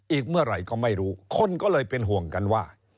อีกเมื่อไหร่ก็ไม่รู้คนก็เลยเป็นห่วงกันว่า